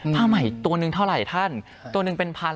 ผ้าใหม่ตัวหนึ่งเท่าไหร่ท่านตัวหนึ่งเป็นพัน